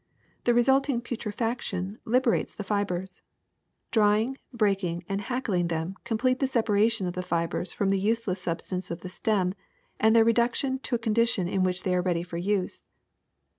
The resulting putrefaction lib erates the fibers. Dry ing, breaking, and hack ling them complete the separation of the fibers from the useless substance of the stem and their reduc tion to a condition in which they are ready for use.